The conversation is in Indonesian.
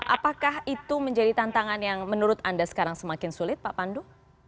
apakah itu menjadi tantangan yang menurut anda sekarang semakin sulit pak pandu